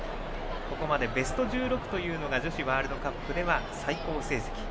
ここまでベスト１６というのが女子ワールドカップでは最高成績。